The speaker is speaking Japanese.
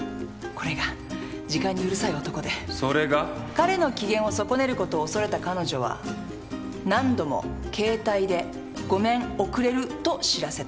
彼の機嫌を損ねることを恐れた彼女は何度も携帯で「ごめん遅れる」と知らせた。